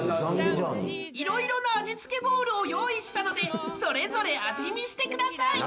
［色々な味付けボールを用意したのでそれぞれ味見してください］